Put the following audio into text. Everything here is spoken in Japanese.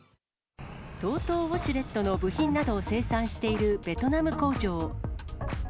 ＴＯＴＯウォシュレットの部品などを生産しているベトナム工場。